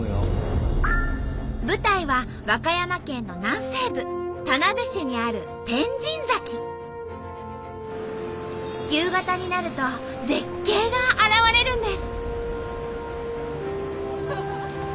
舞台は和歌山県の南西部田辺市にある夕方になると絶景が現れるんです。